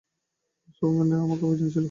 সুপারম্যানের আমাকে প্রয়োজন ছিল।